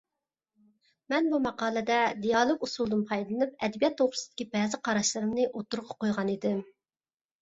مەن بۇ ماقالىدە دىئالوگ ئۇسۇلىدىن پايدىلىنىپ ئەدەبىيات توغرىسىدىكى بەزى قاراشلىرىمنى ئوتتۇرىغا قويغانىدىم.